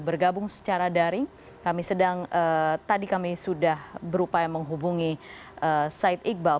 bergabung secara daring kami sedang tadi kami sudah berupaya menghubungi said iqbal